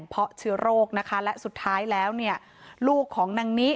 เพราะเชื้อโรคนะคะและสุดท้ายแล้วเนี่ยลูกของนางนิ